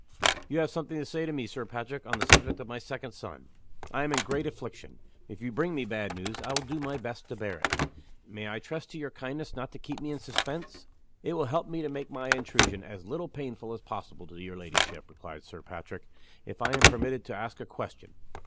"You have something to say to me, Sir Patrick, on the subject of my second son. I am in great affliction. If you bring me bad news, I will do my best to bear it. May I trust to your kindness not to keep me in suspense?" "It will help me to make my intrusion as little painful as possible to your ladyship," replied Sir Patrick, "if I am permitted to ask a question.